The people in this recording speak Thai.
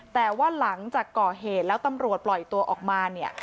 แต่ว่าหลังจากก่อเหตุแล้วตำรวจปล่อยตัวออกมาเนี่ย